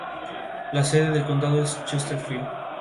La sede del condado es Chesterfield.